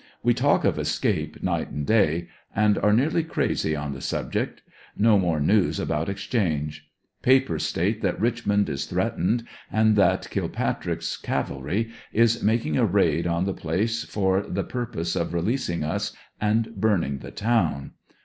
We talk of escape night and day — and are nearly craz}^ on the subject. No more news about exchange. Papers state that Richmond is threatened, and that Kilpatrick's cavalry is makmg a raid on the place for the pur pose of releasing us and burning the town.